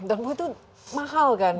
dan bui itu mahal kan